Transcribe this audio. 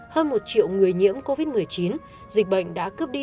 hơn một triệu người nhiễm covid một mươi chín dịch bệnh đã cướp đi